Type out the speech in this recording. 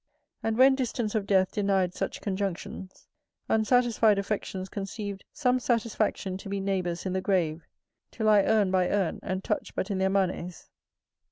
And when distance of death denied such conjunctions, unsatisfied affections conceived some satisfaction to be neighbours in the grave, to lie urn by urn, and touch but in their manes.